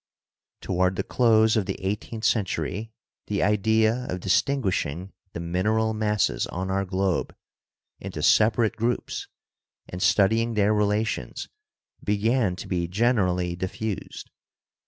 Toward the close of the eighteenth century the idea of distinguishing the mineral masses on our globe into sep arate groups and studying their relations began to be generally diffused.